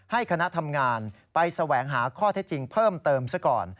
คณะทำงานไปแสวงหาข้อเท็จจริงเพิ่มเติมซะก่อน